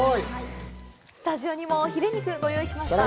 スタジオにも、ヒレ肉ご用意しました。